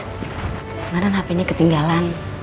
kemaren hp nya ketinggalan